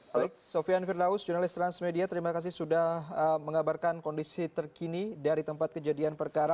baik sofian firdaus jurnalis transmedia terima kasih sudah mengabarkan kondisi terkini dari tempat kejadian perkara